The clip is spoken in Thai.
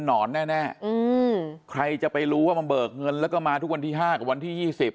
นอนแน่ใครจะไปรู้ว่ามันเบิกเงินแล้วก็มาทุกวันที่๕กับวันที่๒๐